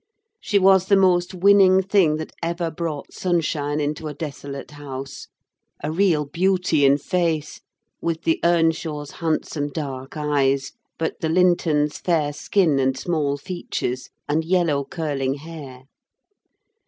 She was the most winning thing that ever brought sunshine into a desolate house: a real beauty in face, with the Earnshaws' handsome dark eyes, but the Lintons' fair skin and small features, and yellow curling hair.